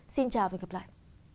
xin chào và hẹn gặp lại